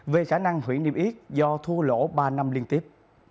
về khả năng hủy niệm ít do thua lỗ ba năm liên tiếp